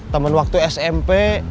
temen waktu smp